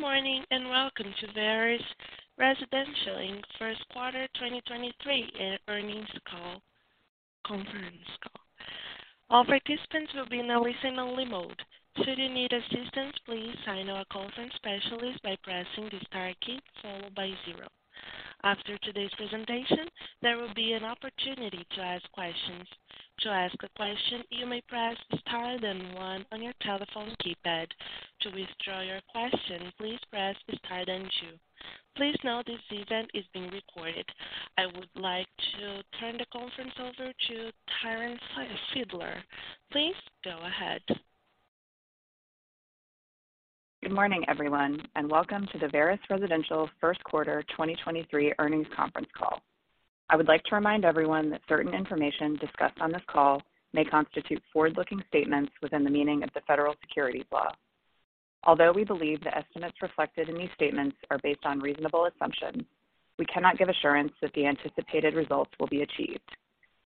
Good morning, and welcome to Veris Residential in Q1 2023 earnings call, conference call. All participants will be in a listen-only mode. Should you need assistance, please signal our conference specialist by pressing the star key followed by zero. After today's presentation, there will be an opportunity to ask questions. To ask a question, you may press star then one on your telephone keypad. To withdraw your question, please press star then two. Please note this event is being recorded. I would like to turn the conference over to Taryn Fielder. Please go ahead. Good morning, everyone, and welcome to the Veris Residential Q1 2023 earnings conference call. I would like to remind everyone that certain information discussed on this call may constitute forward-looking statements within the meaning of the Federal Securities law. Although we believe the estimates reflected in these statements are based on reasonable assumptions, we cannot give assurance that the anticipated results will be achieved.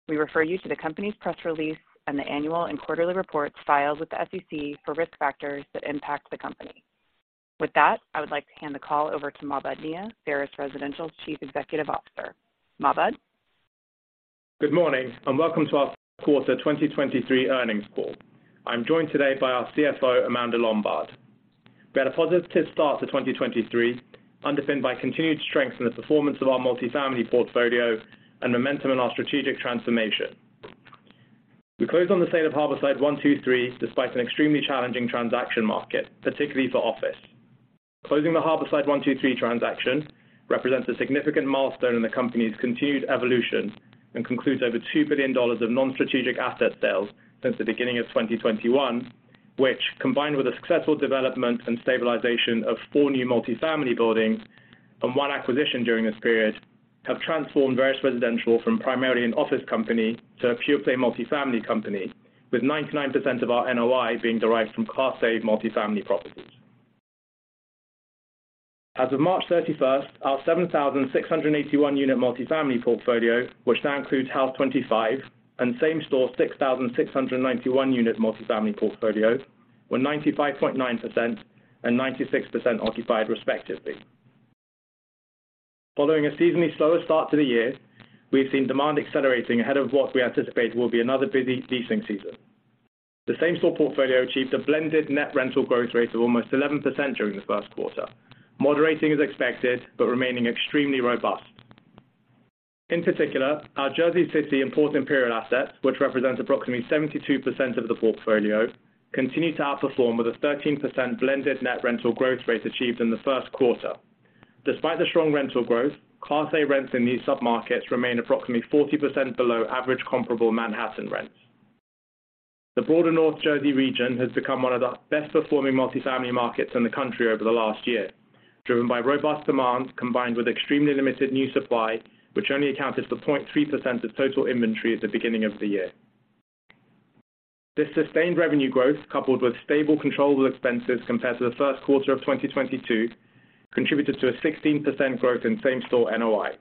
We refer you to the company's press release and the annual and quarterly reports filed with the SEC for risk factors that impact the company. With that, I would like to hand the call over to Mahbod Nia, Veris Residential's Chief Executive Officer. Mahbod? Good morning and welcome to our Q1 2023 earnings call. I'm joined today by our CFO, Amanda Lombard. We had a positive start to 2023, underpinned by continued strength in the performance of our multifamily portfolio and momentum in our strategic transformation. We closed on the sale of Harborside 1, 2, 3, despite an extremely challenging transaction market, particularly for office. Closing the Harborside 1, 2, 3 transaction represents a significant milestone in the company's continued evolution and concludes over $2 billion of non-strategic asset sales since the beginning of 2021, which, combined with the successful development and stabilization of four new multifamily buildings and one acquisition during this period, have transformed Veris Residential from primarily an office company to a pure-play multifamily company, with 99% of our NOI being derived from Class A multifamily properties. As of March 31st, our 7,681 unit multifamily portfolio, which now includes House 25 and same store 6,691 units multifamily portfolio, were 95.9% and 96% occupied respectively. Following a seasonally slower start to the year, we have seen demand accelerating ahead of what we anticipate will be another busy leasing season. The same store portfolio achieved a blended net rental growth rate of almost 11% during the Q1. Moderating is expected, but remaining extremely robust. In particular, our Jersey City and Port Imperial assets, which represents approximately 72% of the portfolio, continued to outperform with a 13% blended net rental growth rate achieved in the Q1. Despite the strong rental growth, Class A rents in these submarkets remain approximately 40% below average comparable Manhattan rents. The broader North Jersey region has become one of the best performing multifamily markets in the country over the last year, driven by robust demand combined with extremely limited new supply, which only accounted for 0.3% of total inventory at the beginning of the year. This sustained revenue growth, coupled with stable controllable expenses compared to the Q1 of 2022, contributed to a 16% growth in Same store NOI.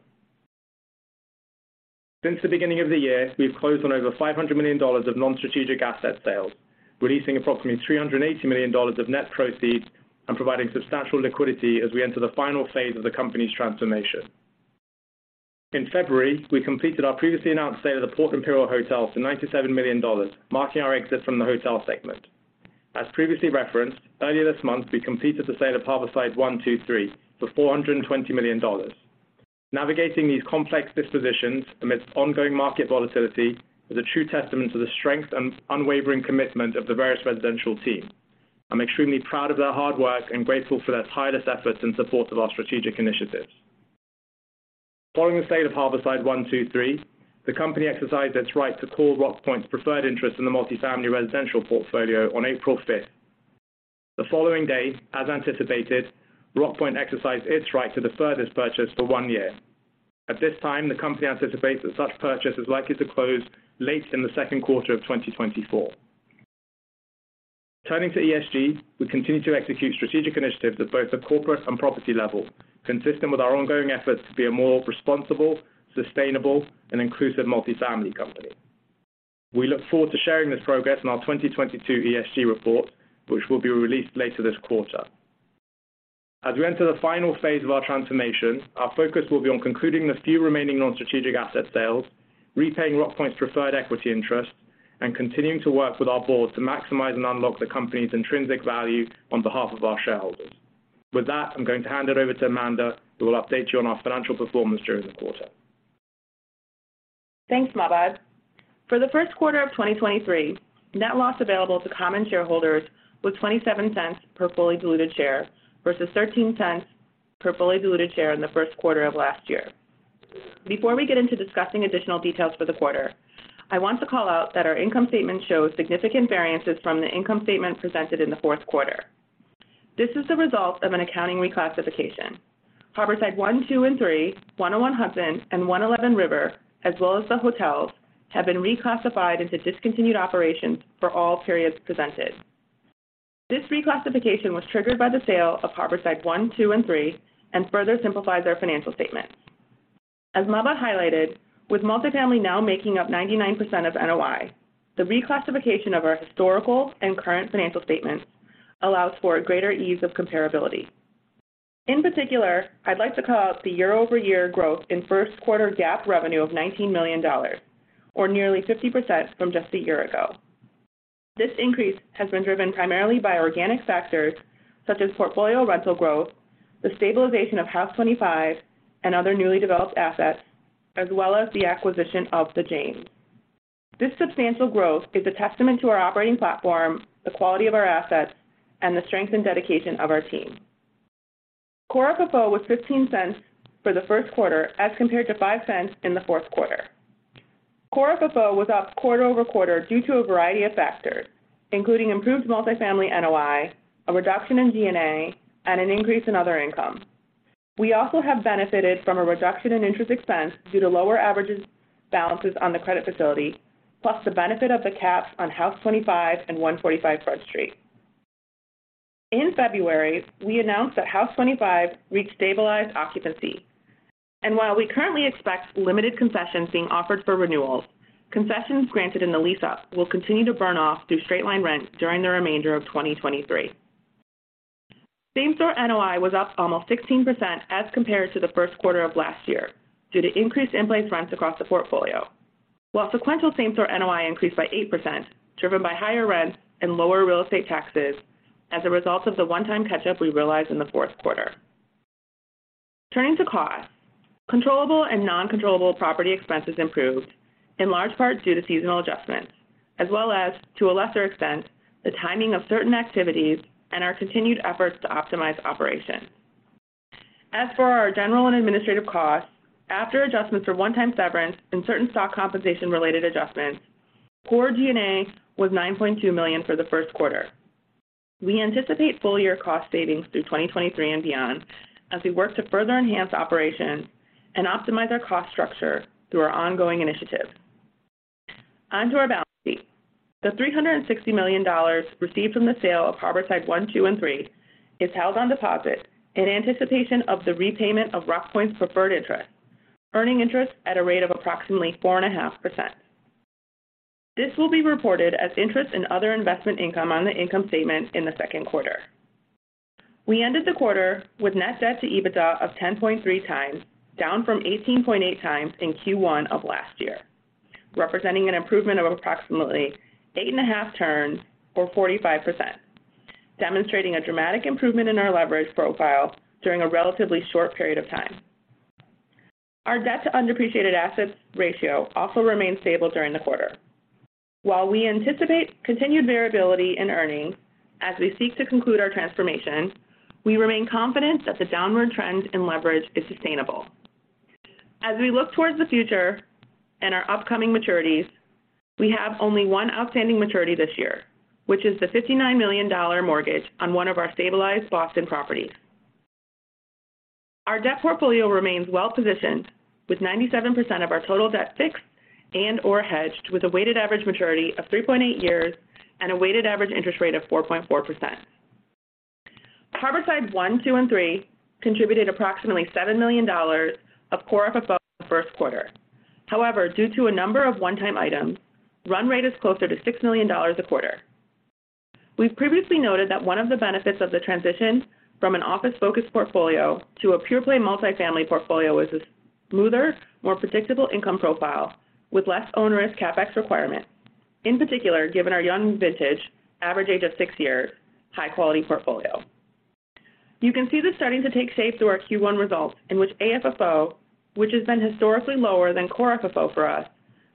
Since the beginning of the year, we've closed on over $500 million of non-strategic asset sales, releasing approximately $380 million of net proceeds and providing substantial liquidity as we enter the final phase of the company's transformation. In February, we completed our previously announced sale of the Port Imperial Hotel for $97 million, marking our exit from the hotel segment. As previously referenced, earlier this month, we completed the sale of Harborside 1, 2, 3 for $420 million. Navigating these complex dispositions amidst ongoing market volatility is a true testament to the strength and unwavering commitment of the Veris Residential team. I'm extremely proud of their hard work and grateful for their tireless efforts in support of our strategic initiatives. Following the sale of Harborside 1, 2, 3, the company exercised its right to call Rockpoint's preferred interest in the multifamily residential portfolio on April 5th. The following day, as anticipated, Rockpoint exercised its right to defer this purchase for one year. At this time, the company anticipates that such purchase is likely to close late in the Q2 of 2024. Turning to ESG, we continue to execute strategic initiatives at both a corporate and property level, consistent with our ongoing efforts to be a more responsible, sustainable, and inclusive multifamily company. We look forward to sharing this progress in our 2022 ESG report, which will be released later this quarter. As we enter the final phase of our transformation, our focus will be on concluding the few remaining non-strategic asset sales, repaying Rockpoint's preferred equity interest, and continuing to work with our board to maximize and unlock the company's intrinsic value on behalf of our shareholders. With that, I'm going to hand it over to Amanda, who will update you on our financial performance during the quarter. Thanks, Mahbod. For the Q1 of 2023, net loss available to common shareholders was $0.27 per fully diluted share versus $0.13 per fully diluted share in the Q1 of last year. Before we get into discussing additional details for the quarter, I want to call out that our income statement shows significant variances from the income statement presented in the Q4. This is the result of an accounting reclassification. Harborside 1, 2 and 3, 101 Hudson, and 111 River, as well as the hotels, have been reclassified into discontinued operations for all periods presented. This reclassification was triggered by the sale of Harborside 1, 2 and 3, further simplifies our financial statement. As Mahbod highlighted, with multifamily now making up 99% of NOI, the reclassification of our historical and current financial statements allows for greater ease of comparability. In particular, I'd like to call out the year-over-year growth in Q1 GAAP revenue of $19 million, or nearly 50% from just a year ago. This increase has been driven primarily by organic factors such as portfolio rental growth, the stabilization of House25 and other newly developed assets, as well as the acquisition of The Jane. This substantial growth is a testament to our operating platform, the quality of our assets, and the strength and dedication of our team. Core FFO was $0.15 for the Q1 as compared to $0.05 in the Q4. Core FFO was up quarter-over-quarter due to a variety of factors, including improved multifamily NOI, a reduction in G&A, and an increase in other income. We also have benefited from a reduction in interest expense due to lower averages balances on the credit facility, plus the benefit of the caps on House 25 and 145 Broad Street. In February, we announced that House 25 reached stabilized occupancy. While we currently expect limited concessions being offered for renewals, concessions granted in the lease up will continue to burn off through straight-line rents during the remainder of 2023. same store NOI was up almost 16% as compared to the Q1 of last year due to increased in place rents across the portfolio. While sequential same store NOI increased by 8%, driven by higher rents and lower real estate taxes as a result of the one-time catch-up we realized in the Q4. Turning to costs. Controllable and non-controllable property expenses improved in large part due to seasonal adjustments, as well as, to a lesser extent, the timing of certain activities and our continued efforts to optimize operations. As for our general and administrative costs, after adjustments for one-time severance and certain stock compensation related adjustments, core G&A was $9.2 million for the Q1. We anticipate full year cost savings through 2023 and beyond as we work to further enhance operations and optimize our cost structure through our ongoing initiatives. On to our balance sheet. The $360 million received from the sale of Harborside One, Two, and Three is held on deposit in anticipation of the repayment of Rockpoint's preferred interest, earning interest at a rate of approximately 4.5%. This will be reported as interest in other investment income on the income statement in the Q2. We ended the quarter with net debt to EBITDA of 10.3x, down from 18.8x in Q1 of last year, representing an improvement of approximately 8.5 turns or 45%, demonstrating a dramatic improvement in our leverage profile during a relatively short period of time. Our debt-to-undepreciated assets ratio also remained stable during the quarter. While we anticipate continued variability in earnings as we seek to conclude our transformation, we remain confident that the downward trend in leverage is sustainable. As we look towards the future and our upcoming maturities, we have only one outstanding maturity this year, which is the $59 million mortgage on one of our stabilized Boston properties. Our debt portfolio remains well positioned with 97% of our total debt fixed and/or hedged with a weighted average maturity of 3.8 years and a weighted average interest rate of 4.4%. Harborside One, Two, and Three contributed approximately $7 million of Core FFO in the Q1. Due to a number of one-time items, run rate is closer to $6 million a quarter. We've previously noted that one of the benefits of the transition from an office-focused portfolio to a pure-play multifamily portfolio was a smoother, more predictable income profile with less onerous CapEx requirement, in particular, given our young vintage average age of six years high quality portfolio. You can see this starting to take shape through our Q1 results in which AFFO, which has been historically lower than Core FFO for us,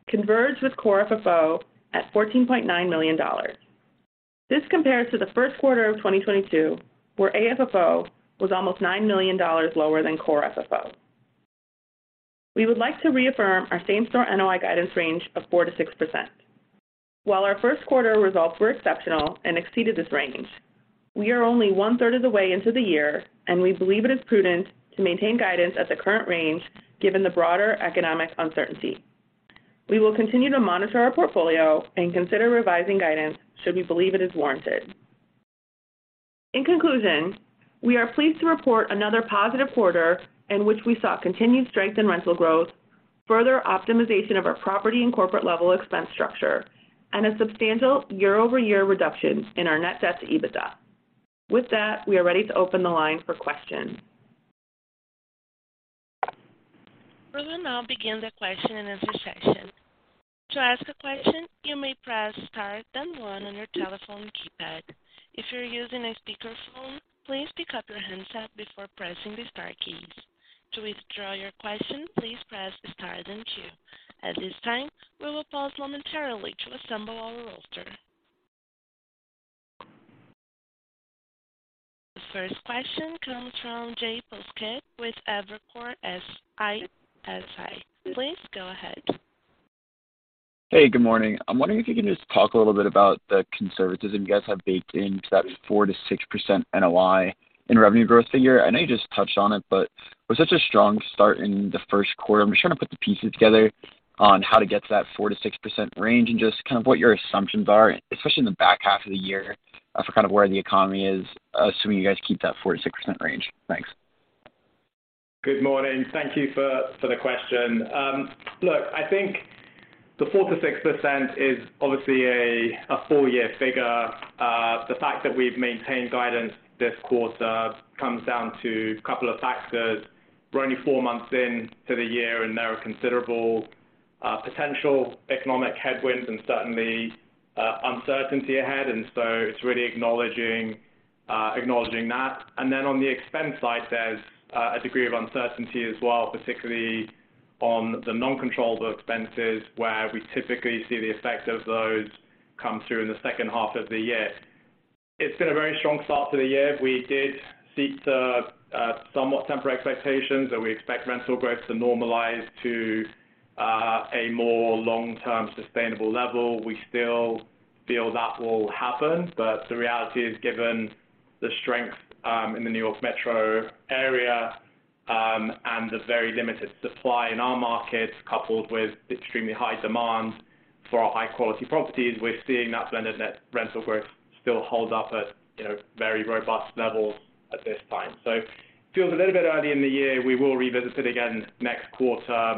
converged with Core FFO at $14.9 million. This compares to the Q1 of 2022, where AFFO was almost $9 million lower than Core FFO. We would like to reaffirm our same store NOI guidance range of 4%-6%. While our Q1 results were exceptional and exceeded this range, we are only one-third of the way into the year, and we believe it is prudent to maintain guidance at the current range given the broader economic uncertainty. We will continue to monitor our portfolio and consider revising guidance should we believe it is warranted. In conclusion, we are pleased to report another positive quarter in which we saw continued strength in rental growth, further optimization of our property and corporate level expense structure, and a substantial year-over-year reduction in our net debt to EBITDA. With that, we are ready to open the line for questions. We will now begin the question and answer session. To ask a question, you may press star then one on your telephone keypad. If you're using a speakerphone, please pick up your handset before pressing the star keys. To withdraw your question, please press star then two. At this time, we will pause momentarily to assemble our roster. The first question comes from Steve Sakwa with Evercore ISI, S-I. Please go ahead. Hey, good morning. I'm wondering if you can just talk a little bit about the conservatism you guys have baked into that 4%-6% NOI in revenue growth figure. I know you just touched on it, but with such a strong start in the Q1, I'm just trying to put the pieces together on how to get to that 4%-6% range and just kind of what your assumptions are, especially in the back half of the year for kind of where the economy is, assuming you guys keep that 4%-6% range. Thanks. Good morning. Thank you for the question. Look, I think the 4%-6% is obviously a full year figure. The fact that we've maintained guidance this quarter comes down to a couple of factors. We're only four months in to the year, and there are considerable potential economic headwinds and certainly uncertainty ahead. It's really acknowledging that. On the expense side, there's a degree of uncertainty as well, particularly on the non-controllable expenses, where we typically see the effects of those come through in the second half of the year. It's been a very strong start to the year. We did seek to somewhat temper expectations, and we expect rental growth to normalize to a more long-term sustainable level. We still feel that will happen, but the reality is, given the strength in the New York Metro Area, and the very limited supply in our markets, coupled with extremely high demand for our high-quality properties, we're seeing that blended net rental growth still hold up at, you know, very robust levels at this time. Feels a little bit early in the year. We will revisit it again next quarter.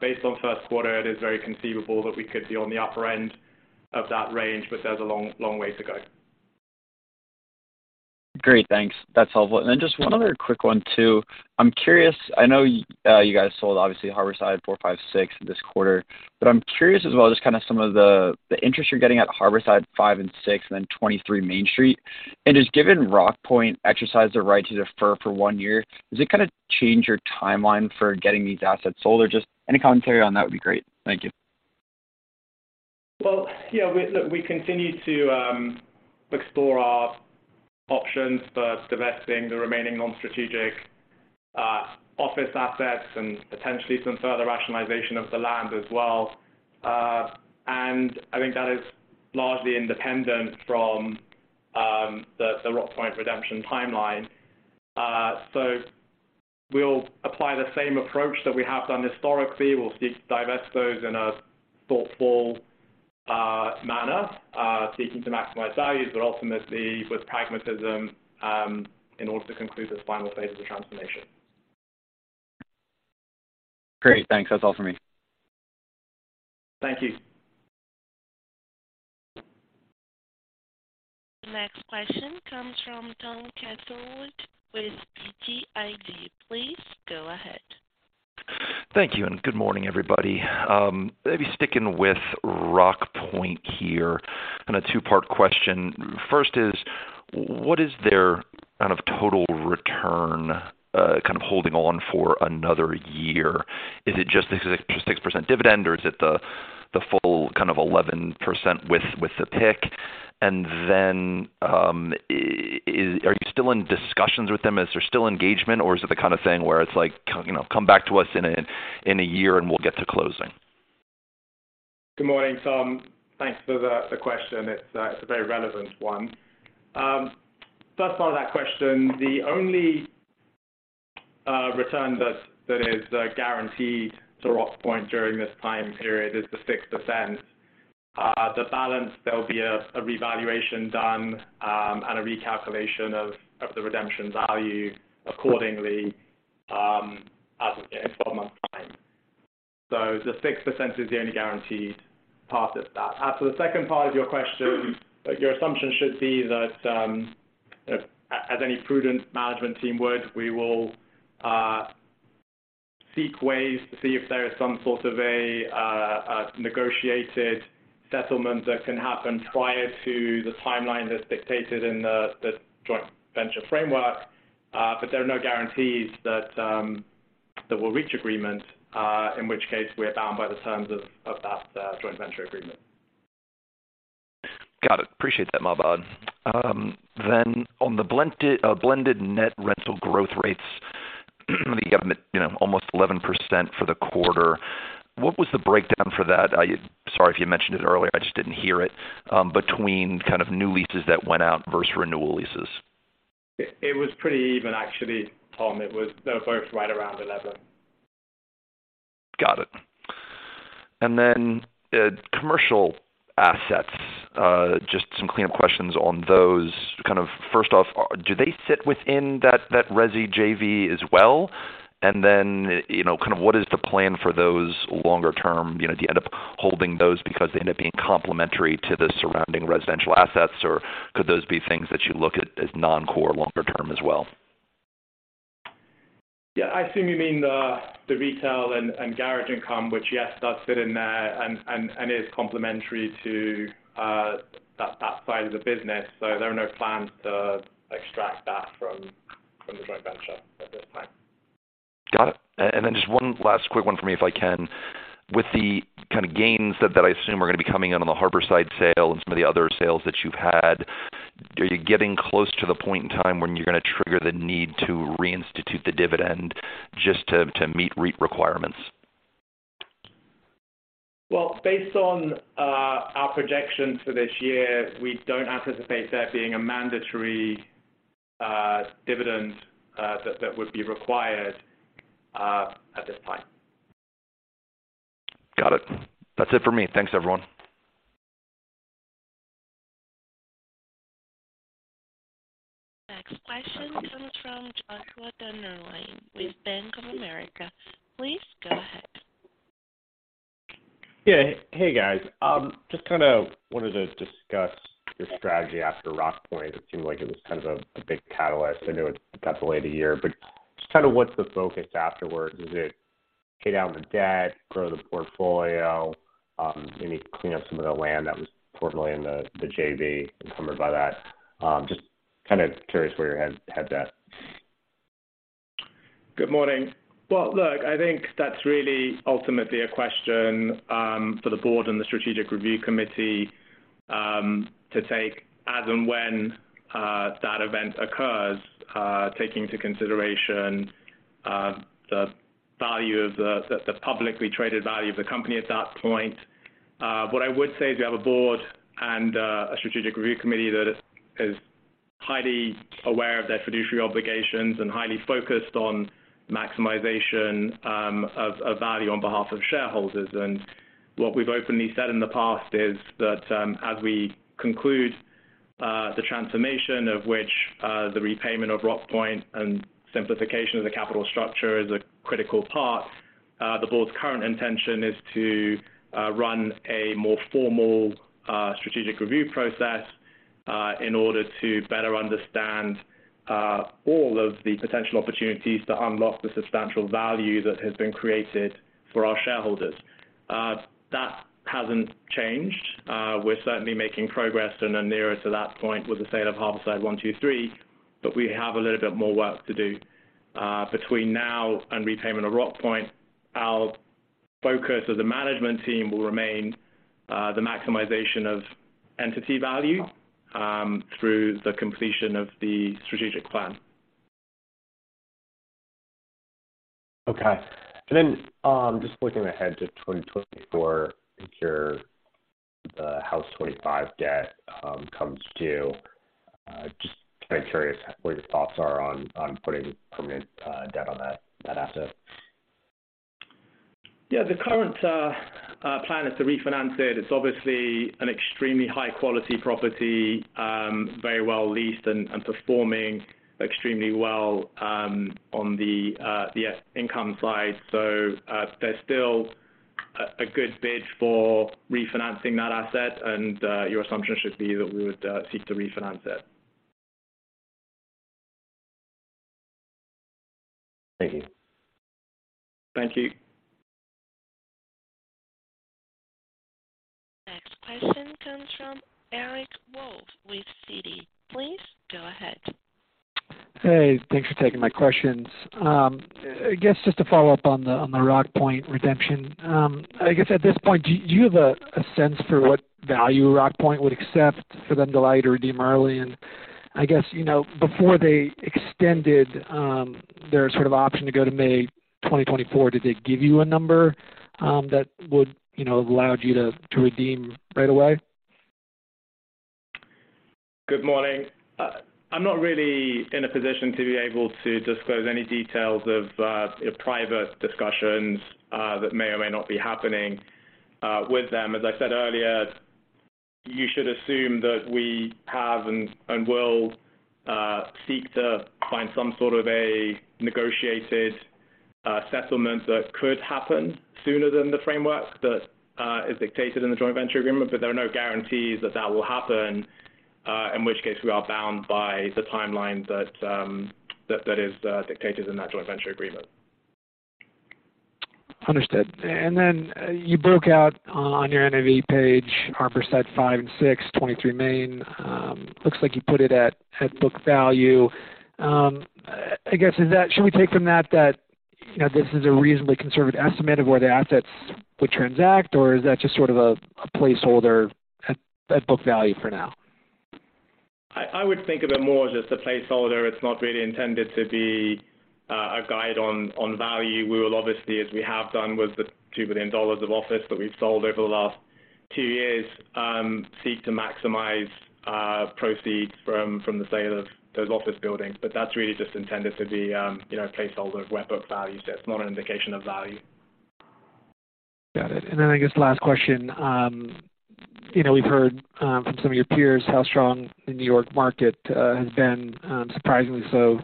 Based on Q1, it is very conceivable that we could be on the upper end of that range, but there's a long, long way to go. Great. Thanks. That's helpful. Just one other quick one too. I'm curious, I know, you guys sold obviously Harborside four, five, six this quarter, but I'm curious as well, just kinda some of the interest you're getting at Harborside 5 and 6 and then 23 Main Street. Just given Rockpoint exercised their right to defer for one year, does it kinda change your timeline for getting these assets sold? Or just any commentary on that would be great. Thank you. Well, yeah, look, we continue to explore our options for divesting the remaining non-strategic office assets and potentially some further rationalization of the land as well. I think that is largely independent from the Rockpoint redemption timeline. We'll apply the same approach that we have done historically. We'll seek to divest those in a thoughtful manner, seeking to maximize values, but ultimately with pragmatism in order to conclude this final phase of the transformation. Great. Thanks. That's all for me. Thank you. The next question comes from Tom Catherwood with BTIG. Please go ahead. Thank you, good morning, everybody. Maybe sticking with Rockpoint here. Kind of a two-part question. First is, what is their kind of total return, kind of holding on for another year? Is it just the 6% dividend, or is it the full kind of 11% with the pick? Are you still in discussions with them? Is there still engagement, or is it the kind of thing where it's like, you know, "Come back to us in a year, and we'll get to closing? Good morning, Tom. Thanks for the question. It's a very relevant one. First part of that question, the only return that is guaranteed to Rockpoint during this time period is the 6%. The balance, there'll be a revaluation done and a recalculation of the redemption value accordingly as of the end of 12 months time. The 6% is the only guaranteed part of that. As to the second part of your question, your assumption should be that, as any prudent management team would, we will seek ways to see if there is some sort of a negotiated settlement that can happen prior to the timeline that's dictated in the joint venture framework. There are no guarantees that we'll reach agreement, in which case we're bound by the terms of that joint venture agreement. Got it. Appreciate that, Mahbod. On the blended net rental growth rates, you know, almost 11% for the quarter, what was the breakdown for that? I. Sorry if you mentioned it earlier, I just didn't hear it, between kind of new leases that went out versus renewal leases. It was pretty even actually, Tom. They were both right around 11. Got it. Then, commercial assets, just some cleanup questions on those. Kind of first off, do they sit within that resi JV as well? Then, you know, kind of what is the plan for those longer term? You know, do you end up holding those because they end up being complementary to the surrounding residential assets, or could those be things that you look at as non-core longer term as well? Yeah. I assume you mean the retail and garage income, which, yes, does fit in there and is complementary to that side of the business. There are no plans to extract that from the joint venture at this time. Got it. Then just one last quick one for me, if I can. With the kind of gains that I assume are gonna be coming in on the Harborside sale and some of the other sales that you've had, are you getting close to the point in time when you're gonna trigger the need to reinstitute the dividend just to meet REIT requirements? Based on our projections for this year, we don't anticipate there being a mandatory dividend that would be required at this time. Got it. That's it for me. Thanks, everyone. Next question comes from Joshua Dennerlein with Bank of America. Please go ahead. Yeah. Hey guys. Just kind of wanted to discuss your strategy after Rockpoint. It seemed like it was kind of a big catalyst. I know it's got the late a year, but just kind of what's the focus afterward? Is it pay down the debt, grow the portfolio, maybe clean up some of the land that was formerly in the JV encumbered by that? Just kinda curious where your head's at. Good morning. Well, look, I think that's really ultimately a question for the board and the strategic review committee to take as and when that event occurs, taking into consideration the value of the publicly traded value of the company at that point. What I would say is we have a board and a strategic review committee that is highly aware of their fiduciary obligations and highly focused on maximization of value on behalf of shareholders. What we've openly said in the past is that, as we conclude, the transformation of which, the repayment of Rockpoint and simplification of the capital structure is a critical part, the board's current intention is to run a more formal strategic review process in order to better understand all of the potential opportunities to unlock the substantial value that has been created for our shareholders. That hasn't changed. We're certainly making progress and are nearer to that point with the sale of Harborside 123, we have a little bit more work to do. Between now and repayment of Rockpoint, our focus as a management team will remain the maximization of entity value through the completion of the strategic plan. Okay. Just looking ahead to 2024, if your House 25 debt comes due, just kinda curious what your thoughts are on putting permanent debt on that asset. Yeah. The current plan is to refinance it. It's obviously an extremely high quality property, very well leased and performing extremely well, on the income side. There's still a good bid for refinancing that asset and your assumption should be that we would seek to refinance it. Thank you. Thank you. Next question comes from Eric Wolfe with Citi. Please go ahead. Hey, thanks for taking my questions. I guess just to follow up on the Rockpoint redemption. I guess at this point, do you have a sense for what value Rockpoint would accept for them to allow you to redeem early? I guess, you know, before they extended their sort of option to go to May 2024, did they give you a number that would, you know, allowed you to redeem right away? Good morning. I'm not really in a position to be able to disclose any details of private discussions that may or may not be happening with them. As I said earlier, you should assume that we have and will seek to find some sort of a negotiated settlement that could happen sooner than the framework that is dictated in the joint venture agreement. There are no guarantees that that will happen, in which case we are bound by the timeline that is dictated in that joint venture agreement. Understood. Then you broke out on your NAV page, Harborside 5 and 6, 23 Main. looks like you put it at book value. I guess, should we take from that, you know, this is a reasonably conservative estimate of where the assets would transact, or is that just sort of a placeholder at book value for now? I would think of it more as just a placeholder. It's not really intended to be a guide on value. We will obviously, as we have done with the $2 billion of office that we've sold over the last two years, seek to maximize proceeds from the sale of those office buildings. That's really just intended to be, you know, a placeholder of where book value sits, not an indication of value. Got it. I guess last question. You know, we've heard from some of your peers how strong the New York market has been surprisingly so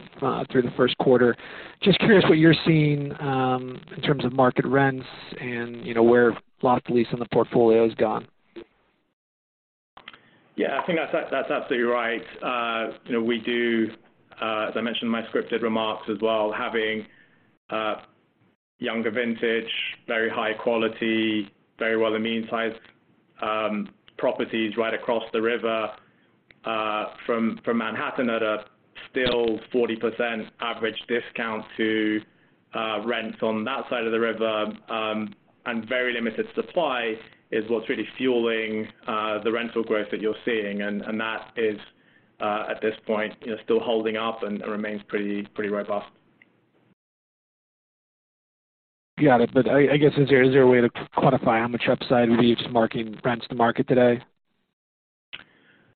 through the Q1. Just curious what you're seeing in terms of market rents and, you know, where loss to lease in the portfolio has gone? Yeah, I think that's absolutely right. you know, we do, as I mentioned in my scripted remarks as well, having younger vintage, very high quality, very well-amenitized properties right across the river from Manhattan at a still 40% average discount to rents on that side of the river, and very limited supply is what's really fueling the rental growth that you're seeing. That is, at this point, you know, still holding up and remains pretty robust. Got it. I guess, is there a way to quantify how much upside leaves marking rents to market today?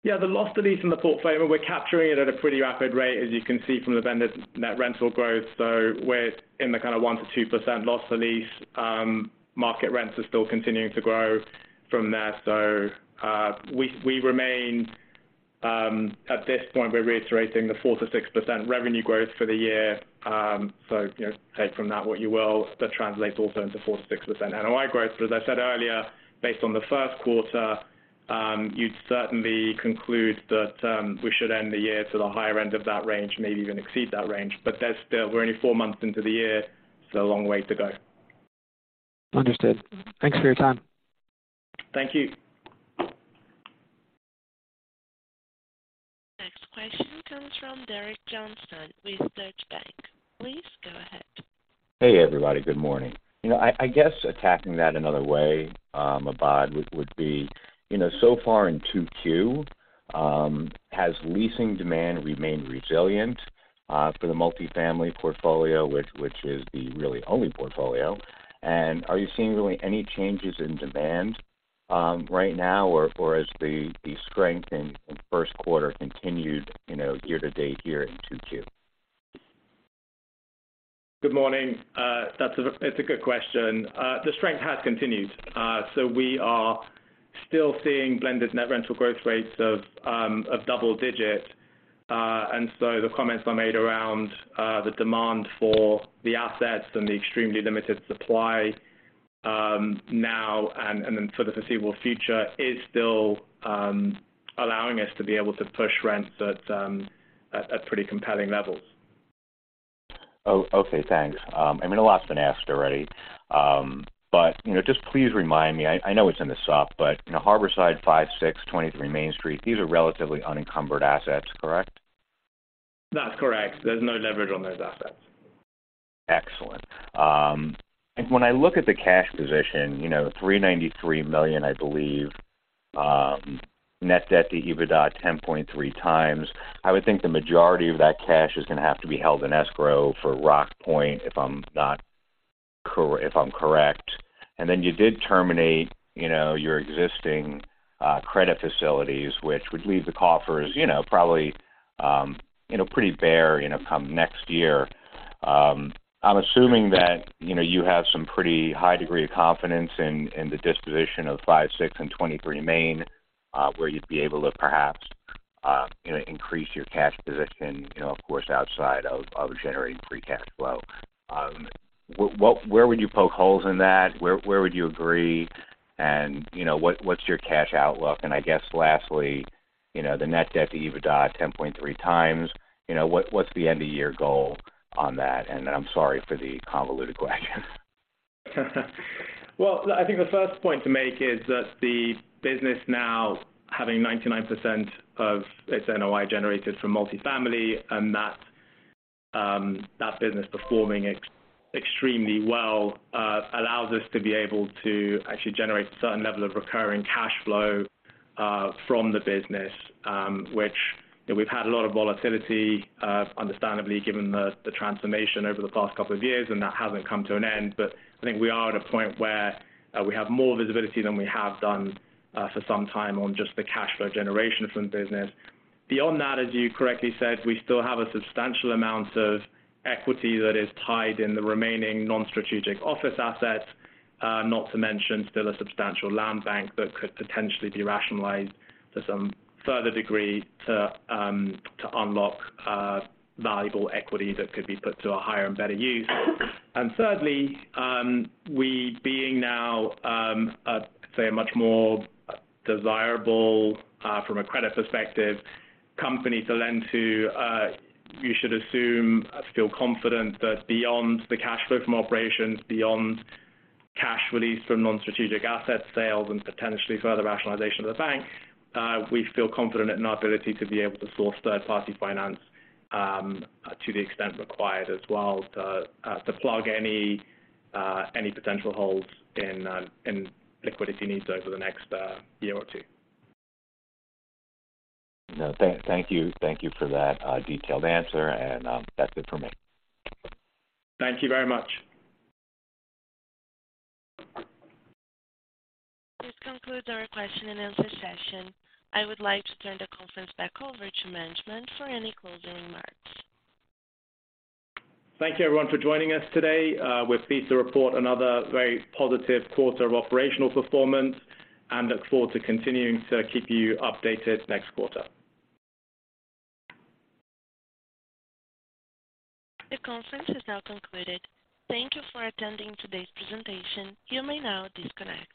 Yeah. The loss to lease in the portfolio, we're capturing it at a pretty rapid rate, as you can see from the blended net rental growth. We're in the kind of 1%-2% loss to lease. Market rents are still continuing to grow from there. At this point, we're reiterating the 4%-6% revenue growth for the year. You know, take from that what you will. That translates also into 4%-6% NOI growth. As I said earlier, based on the Q1, you'd certainly conclude that we should end the year to the higher end of that range, maybe even exceed that range. There's still... we're only four months into the year, so a long way to go. Understood. Thanks for your time. Thank you. Next question comes from Derek Johnston with Deutsche Bank. Please go ahead. Hey, everybody. Good morning. You know, I guess attacking that another way, Mahbod, would be, you know, so far in 2Q, has leasing demand remained resilient, for the multifamily portfolio, which is the really only portfolio? Are you seeing really any changes in demand, right now or as the strength in Q1 continued, you know, year to date here in 2Q? Good morning. It's a good question. The strength has continued. We are still seeing blended net rental growth rates of double digit. The comments I made around the demand for the assets and the extremely limited supply now and then for the foreseeable future is still allowing us to be able to push rents at pretty compelling levels. Oh, okay. Thanks. I mean, a lot's been asked already. You know, just please remind me, I know it's in the sop, but, you know, Harborside 5, 6 23 Main Street, these are relatively unencumbered assets, correct? That's correct. There's no leverage on those assets. Excellent. When I look at the cash position, you know, $393 million, I believe, net debt to EBITDA 10.3 times, I would think the majority of that cash is gonna have to be held in escrow for Rockpoint, if I'm correct. Then you did terminate, you know, your existing credit facilities, which would leave the coffers, you know, probably, you know, pretty bare, you know, come next year. I'm assuming that, you know, you have some pretty high degree of confidence in the disposition of 5, 6 and 23 Main, where you'd be able to perhaps, you know, increase your cash position, you know, of course, outside of generating free cash flow. What, where would you poke holes in that? Where would you agree? You know, what's your cash outlook? I guess lastly, you know, the net debt to EBITDA 10.3 times, you know, what's the end of year goal on that? I'm sorry for the convoluted question. Well, I think the first point to make is that the business now having 99% of its NOI generated from multifamily and that business performing extremely well, allows us to be able to actually generate a certain level of recurring cash flow from the business, which, you know, we've had a lot of volatility, understandably given the transformation over the past couple of years, and that hasn't come to an end. I think we are at a point where we have more visibility than we have done for some time on just the cash flow generation from business. Beyond that, as you correctly said, we still have a substantial amount of equity that is tied in the remaining non-strategic office assets, not to mention still a substantial land bank that could potentially be rationalized to some further degree to unlock valuable equity that could be put to a higher and better use. Thirdly, we being now, say a much more desirable, from a credit perspective, company to lend to, you should assume I feel confident that beyond the cash flow from operations, beyond cash release from non-strategic asset sales and potentially further rationalization of the bank, we feel confident in our ability to be able to source third party finance, to the extent required as well to plug any potential holes in liquidity needs over the next year or two. No, thank you. Thank you for that detailed answer. That's it for me. Thank you very much. This concludes our question and answer session. I would like to turn the conference back over to management for any closing remarks. Thank you everyone for joining us today. We're pleased to report another very positive quarter of operational performance and look forward to continuing to keep you updated next quarter. The conference is now concluded. Thank you for attending today's presentation. You may now disconnect.